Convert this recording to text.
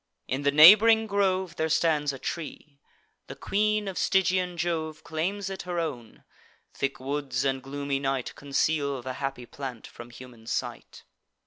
In the neighb'ring grove There stands a tree; the queen of Stygian Jove Claims it her own; thick woods and gloomy night Conceal the happy plant from human sight.